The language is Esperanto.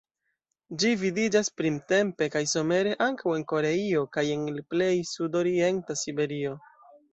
Ĝi vidiĝas printempe kaj somere ankaŭ en Koreio kaj en plej sudorienta Siberio.